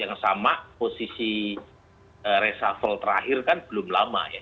yang sama posisi reshuffle terakhir kan belum lama ya